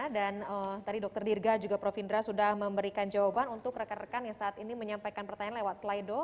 dan tadi dr dirga juga prof indra sudah memberikan jawaban untuk rekan rekan yang saat ini menyampaikan pertanyaan lewat slido